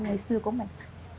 ngày xưa của mình